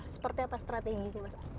seperti apa strategi mas